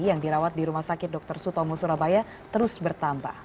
yang dirawat di rumah sakit dr sutomo surabaya terus bertambah